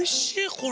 これ。